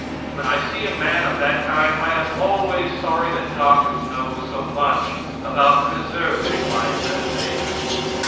When I see a man of that kind I am always sorry that doctors know so much about preserving life as they do.